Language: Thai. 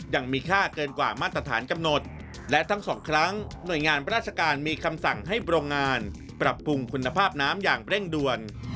ยังมีค่าเกินกว่ามาตรฐานกำหนดและทั้งสองครั้งหน่วยงานราชการมีคำสั่งให้โรงงานปรับปรุงคุณภาพน้ำอย่างเร่งด่วน